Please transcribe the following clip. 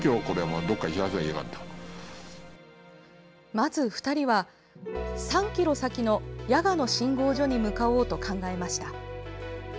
まず２人は、３ｋｍ先の谷峨の信号所に向かおうと考えました。